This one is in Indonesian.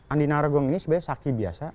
andina rogong ini sebenarnya saksi biasa